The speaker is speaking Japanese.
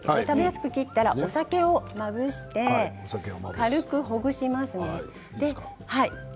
薄く切ったらお酒をまぶして軽くほぐします。